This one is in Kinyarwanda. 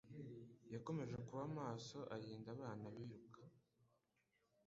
yakomeje kuba maso arinda abana biruka